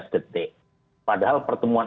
sepuluh detik padahal pertemuan